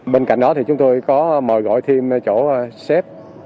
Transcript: bên cạnh đó thì chúng tôi có mời gọi thêm chỗ xếp